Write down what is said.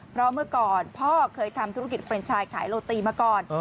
เพราะเมื่อก่อนพ่อเคยทำธุรกิจเฟรนชายขายโรตีมาก่อน